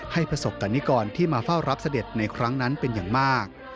ประสบกรณิกรที่มาเฝ้ารับเสด็จในครั้งนั้นเป็นอย่างมาก